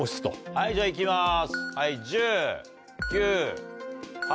はいじゃあいきます。